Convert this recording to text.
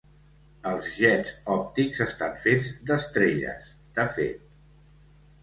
Els jets òptics estan fets d'estrelles, de fet.